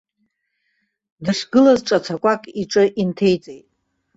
Дышгылаз ҿаҵақәак иҿы инҭеиҵеит.